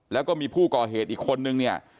แล้วก็มีผู้ก่อเหตุอีกคนนึงเนี่ย